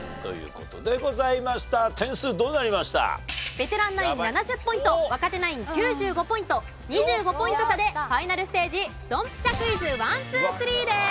ベテランナイン７０ポイント若手ナイン９５ポイント２５ポイント差でファイナルステージドンピシャクイズ１・２・３です。